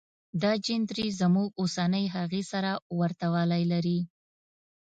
دا جنتري زموږ اوسنۍ هغې سره ورته والی لري.